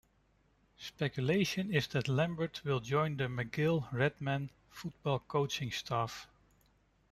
Speculation is that Lambert will join the McGill Redmen Football coaching staff.